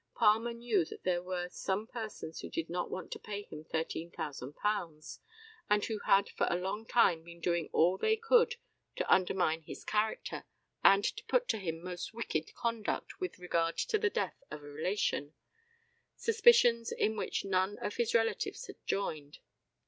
Palmer knew that there were some persons who did not want to pay him £13,000, and who had for a long time been doing all they could to undermine his character, and to impute to him most wicked conduct with regard to the death of a relation suspicions in which none of his relatives had joined.